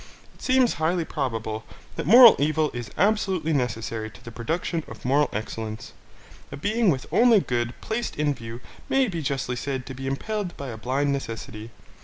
It seems highly probable that moral evil is absolutely necessary to the production of moral excellence. A being with only good placed in view may be justly said to be impelled by a blind necessity.